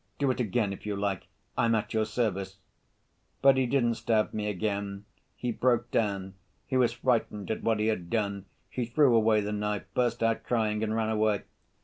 Do it again, if you like, I'm at your service.' But he didn't stab me again; he broke down, he was frightened at what he had done, he threw away the knife, burst out crying, and ran away.